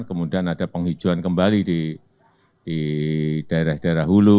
kemudian ada penghijauan kembali di daerah daerah hulu